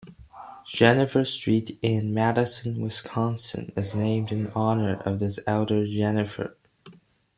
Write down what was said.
Jenifer Street in Madison, Wisconsin, is named in honor of this elder Jenifer.